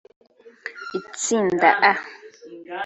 Itsinda A